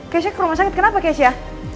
keisha ke rumah sakit kenapa keisha